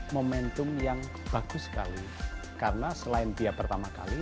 momentum yang bagus sekali karena selain dia pertama kali